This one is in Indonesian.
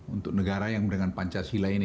untuk negara yang dengan pancasila ini